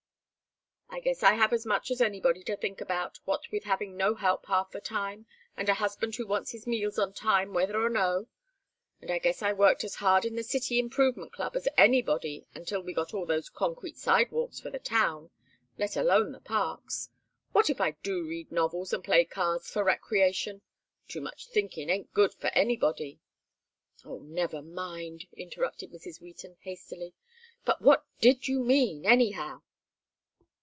"I guess I have as much as anybody to think about, what with having no help half the time, and a husband who wants his meals on time whether or no. And I guess I worked as hard in the City Improvement Club as anybody until we got all those concrete sidewalks for the town, let alone the parks. What if I do read novels and play cards for recreation? Too much thinking ain't good for anybody." "Oh, never mind," interrupted Mrs. Wheaton, hastily. "But what did you mean, anyhow?"